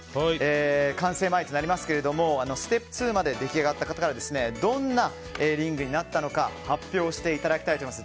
完成前となりますがステップ２まで出来上がった方からどんなリングになったのか発表していただきたいと思います。